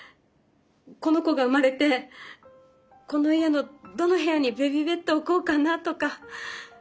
この子が生まれてこの家のどの部屋にベビーベッドを置こうかなとか。